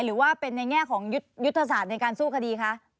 หรือว่าเป็นในแง่ของยุทธศาสตร์ในการสู้คดีคะ